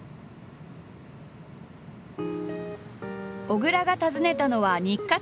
小倉が訪ねたのは日活